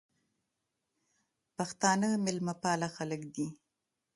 پښتانه میلمه پاله خلک دي